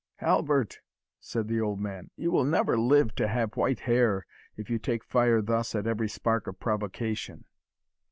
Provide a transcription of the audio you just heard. "Halbert," said the old man, "you will never live to have white hair, if you take fire thus at every spark of provocation."